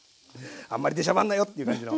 あんまり出しゃばんなよ！っていう感じの。